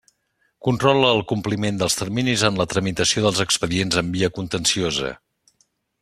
Controla el compliment dels terminis en la tramitació dels expedients en via contenciosa.